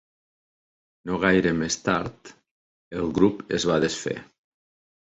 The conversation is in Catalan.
No gaire més tard, el grup es va desfer.